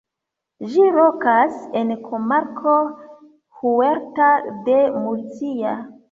Ĝi lokas en komarko Huerta de Murcia.